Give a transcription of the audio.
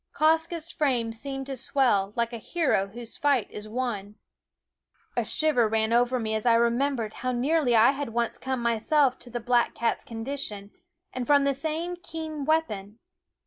Quoskh's frame seemed to swell, like a hero whose fight is won. Quoskh /fie A shiver ran over me as I remembered Hfc^/fee/? Eyed how nearly I had once come myself to the black cat's condition, and from the same keen weapon.